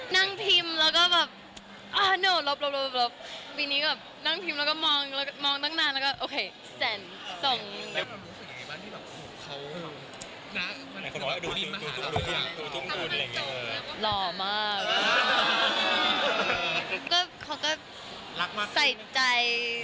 ทั้งคู่แบบทำงานแบบโหเว้ยแบบไม่มีเวลาพักเลยจริงก็รู้สึกดีใจ